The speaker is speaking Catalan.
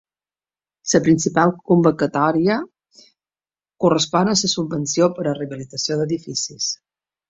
La principal convocatòria correspon a la subvenció per a rehabilitació d’edificis.